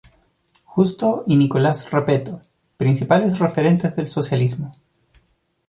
Justo y Nicolás Repetto, principales referentes del socialismo.